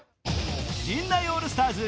陣内オールスターズ